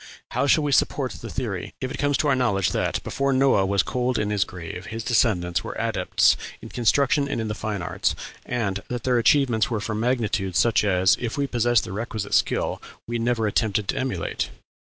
How shall we support the theory if it come to our knowledge that, before Noah was cold in his grave, his descendants were adepts in construction and in the fine arts, and that their achievements were for magnitude such as, if we possess the requisite skill, we never attempt to emulate?...